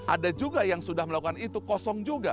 ada juga yang sudah melakukan itu kosong juga